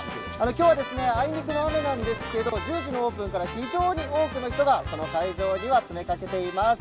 今日はあいにくの雨なんですが１０時のオープンから非常に多くの人がこの会場には詰めかけています。